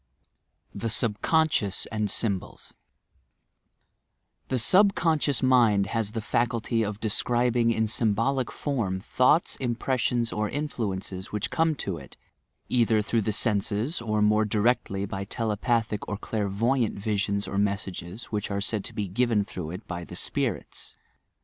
SYMBOLISM THE SUBCONSCIOUS AND STUBOLISH The subconscious miud haa the faculty of describing in symbolic form thoughts, impressions or influences ■which come to it, either through the senses, or more directly by telepathic or clairvoyant visions or mes sages, which are said to be given through it by the "spirits."